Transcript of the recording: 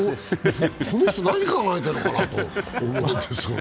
この人何考えてるのかなと思うんですけど。